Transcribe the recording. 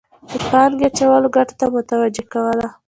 د پانګې اچولو ګټو ته متوجه کول.